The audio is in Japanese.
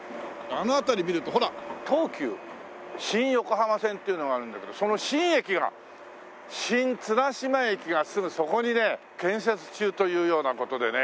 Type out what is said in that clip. あの辺り見るとほら東急新横浜線っていうのがあるんだけどその新駅が新綱島駅がすぐそこにね建設中というような事でね。